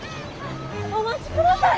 お待ちください！